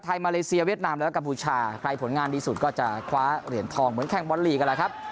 มาเลเซียเวียดนามแล้วก็กัมพูชาใครผลงานดีสุดก็จะคว้าเหรียญทองเหมือนแข่งบอลลีกกันแหละครับ